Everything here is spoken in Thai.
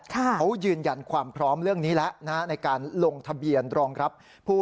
เขายืนยันความพร้อมเรื่องนี้แล้วในการลงทะเบียนรองรับผู้